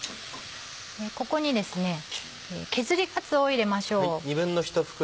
ここに削りがつおを入れましょう。